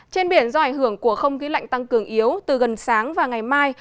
trên biển do ảnh hưởng của không khí lạnh tăng cường yếu từ gần sáng và ngày mai